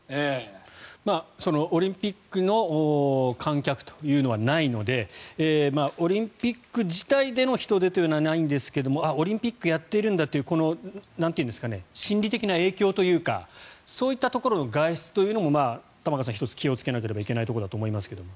オリンピックの観客というのはないのでオリンピック自体での人出というのはないんですけどオリンピックやっているんだというこの心理的な影響というかそういったところの外出というのも玉川さん、１つ気をつけなければいけないところだと思いますが。